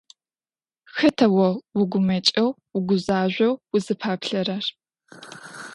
Хэта о угумэкӀэу угузажъоу узыпаплъэрэр?